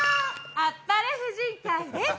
あっぱれ婦人会です。